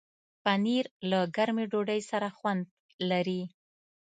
پنېر له ګرمې ډوډۍ سره خوند لري.